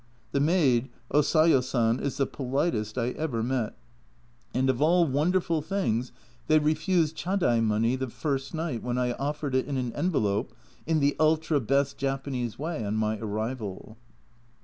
The maid, O Sayo San, is the politest I ever met ; and of all wonderful things, they refused Chadai money the first night when I offered it in an envelope in the ultra best Japanese way on my arrival.